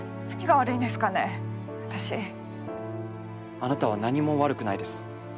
あなたは何も悪くないです。